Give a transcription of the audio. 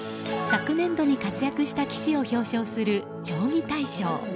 昨年度に活躍した棋士を表彰する将棋大賞。